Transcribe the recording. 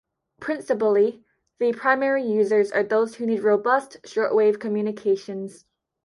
Principally, the primary users are those who need robust shortwave communications.